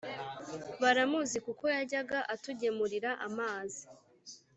baramuzi kuko yajyaga atugemurira amazi,